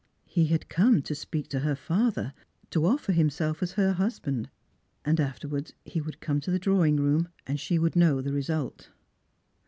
He had come to speak to her father, to offer him self as her husband; and afterwards he would come to the drawing room, and she would know the result.